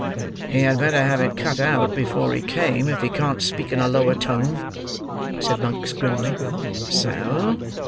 "He had better have cut it out, before he came, if he can't speak in a lower tone," said Monks, grimly. "So!